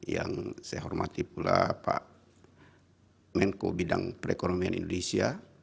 yang saya hormati pula pak menko bidang perekonomian indonesia